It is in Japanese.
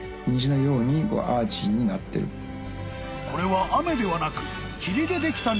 ［これは雨ではなく］